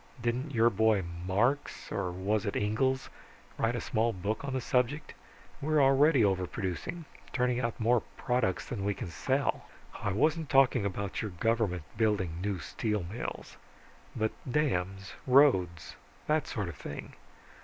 Didn't your boy Marx, or was it Engels, write a small book on the subject? We're already overproducing turning out more products than we can sell." "I wasn't talking about your government building new steel mills. But dams, roads, that sort of thing.